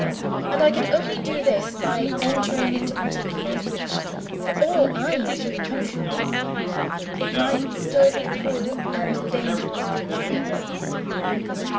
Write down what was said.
And I could only do this, by entering into particulars which, for all I knew to the contrary, it might still be cruel and dangerous to reveal.